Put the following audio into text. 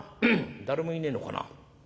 誰もいねえのかな？